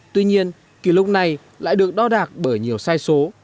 tuy nhiên kỷ lục này lại được đo đạc bởi nhiều sai số